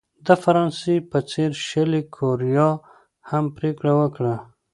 د فرانسې په څېر شلي کوریا هم پرېکړه وکړه.